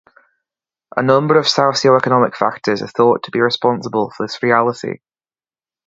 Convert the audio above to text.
A number of socio-economic factors are thought to be responsible for this reality.